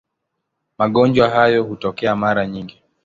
Magonjwa hayo hutokea mara nyingi.